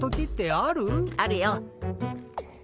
あるよっ。